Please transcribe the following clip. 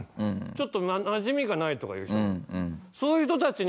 ちょっとなじみがないとか言う人も。